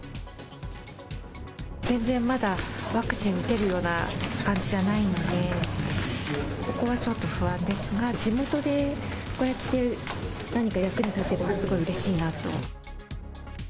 全然まだワクチン打てるような感じじゃないので、そこはちょっと不安ですが、地元でこうやって、何か役に立てば、すごいうれしいなと。